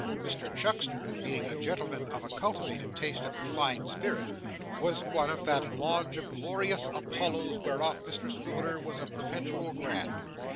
Mr Chuckster, being a gentleman of a cultivated taste and refined spirit, was one of that Lodge of Glorious Apollos whereof Mr Swiveller was Perpetual Grand.